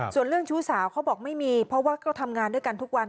ส่วนเรื่องชู้สาวเขาบอกไม่มีเพราะว่าก็ทำงานด้วยกันทุกวัน